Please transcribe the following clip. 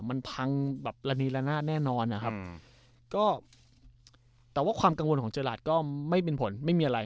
มันพังแน่นอนแต่ว่าความกังวลของเจอร์หลาดก็ไม่เป็นผลไม่มีอะไร